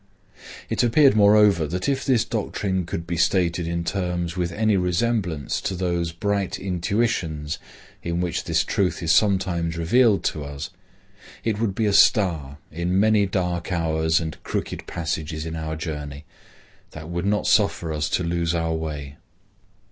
It appeared moreover that if this doctrine could be stated in terms with any resemblance to those bright intuitions in which this truth is sometimes revealed to us, it would be a star in many dark hours and crooked passages in our journey, that would not suffer us to lose our way.